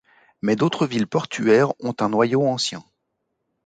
Mais d’autres villes portuaires ont un noyau ancien.